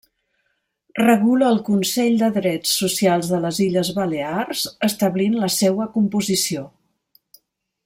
Regula el Consell de Drets Socials de les Illes Balears, establint la seua composició.